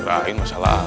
terakhir masalah apa